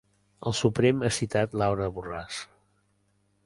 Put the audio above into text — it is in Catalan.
El Suprem ha citat Laura Borràs